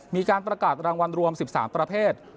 มีการประกาศรางวัลรวม๑๓ประเภท